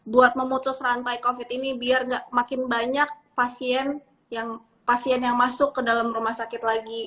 buat memutus rantai covid ini biar gak makin banyak pasien yang masuk ke dalam rumah sakit lagi